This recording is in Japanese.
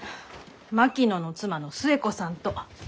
槙野の妻の寿恵子さんと。